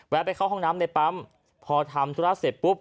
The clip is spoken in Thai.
ไปเข้าห้องน้ำในปั๊มพอทำธุระเสร็จปุ๊บ